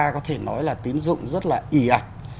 có thể nói là tín dụng rất là ị ảnh